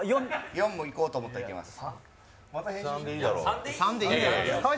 ４もいこうと思ったらいけます。